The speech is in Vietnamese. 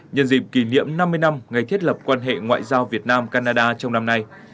nhân dịp kỷ niệm năm mươi năm ngày thiết lập quan hệ ngoại giao việt nam canada trong năm nay